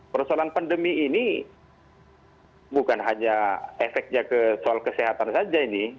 persoalan pandemi ini bukan hanya efeknya ke soal kesehatan saja ini